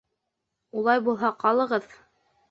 — Улай булһа, ҡалығыҙ.